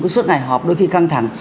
cứ suốt ngày họp đôi khi căng thẳng